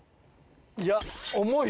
いや重いよ。